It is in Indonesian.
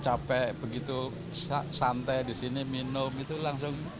capek begitu santai di sini minum itu langsung